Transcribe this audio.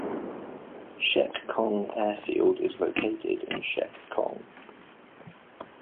Shek Kong Airfield is located in Shek Kong.